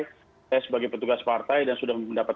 saya sebagai petugas partai dan sudah mendapat